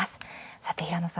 さて、平野さん。